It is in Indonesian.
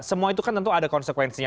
semua itu kan tentu ada konsekuensinya